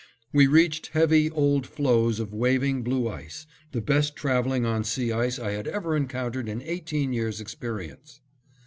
We reached heavy, old floes of waving blue ice, the best traveling on sea ice I had ever encountered in eighteen years' experience.